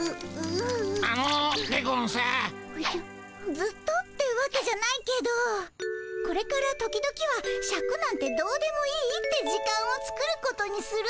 ずっとってわけじゃないけどこれから時々はシャクなんてどうでもいいって時間を作ることにするよ。